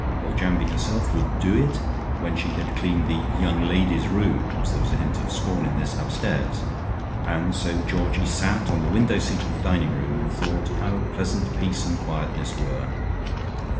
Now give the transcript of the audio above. Foljambe herself would "do" it, when she had cleaned the "young ladies'" rooms (there was a hint of scorn in this) upstairs, and so Georgie sat on the window seat of the dining room, and thought how pleasant peace and quietness were.